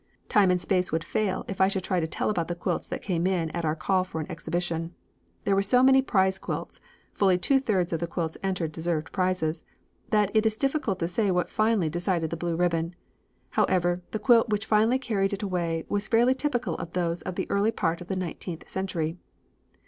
"Time and space would fail if I should try to tell about the quilts that came in at our call for an exhibition. There were so many prize quilts (fully two thirds of the quilts entered deserved prizes) that it is difficult to say what finally decided the blue ribbon. However, the quilt which finally carried it away was fairly typical of those of the early part of the nineteenth century.